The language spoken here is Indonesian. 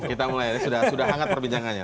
kita mulai sudah hangat perbincangannya